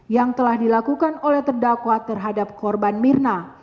yang telah dilakukan oleh terdakwa terhadap korban mirna